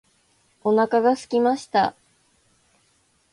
お腹がすきました。